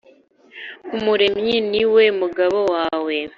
Umuremyi ni we mugabo wawe